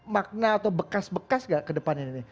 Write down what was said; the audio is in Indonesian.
makna atau bekas bekas gak ke depannya ini